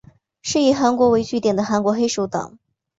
是以韩国为据点的韩国黑手党。